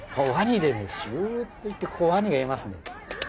スーっといってワニがいます。